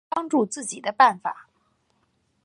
能帮助自己的办法